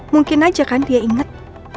mungkin aja kan dia inget